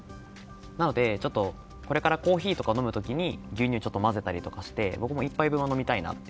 なので、これからコーヒーとかを飲む時に牛乳を混ぜたりして僕も１杯分は飲みたいなと。